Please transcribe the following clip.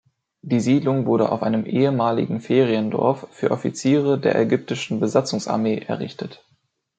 Die Siedlung wurde auf einem ehemaligen Feriendorf für Offiziere der ägyptischen Besatzungsarmee errichtet.